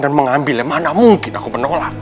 dan mengambilnya mana mungkin aku menolak